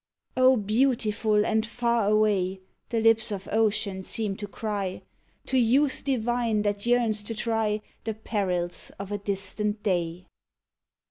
" O beautiful and far away! " The lips of ocean seem to cry To youth divine that yearns to try The perils of a distant day.